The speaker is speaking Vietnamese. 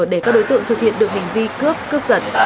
để các đối tượng thực hiện được hành vi cướp cướp giật